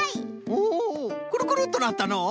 おおクルクルッとなったのう。